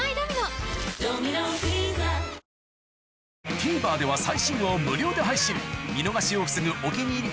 ＴＶｅｒでは最新話を無料で配信見逃しを防ぐ「お気に入り」